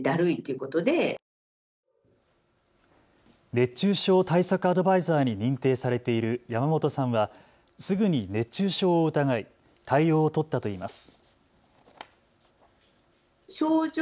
熱中症対策アドバイザーに認定されている山本さんはすぐに熱中症を疑い対応を取ったといいます。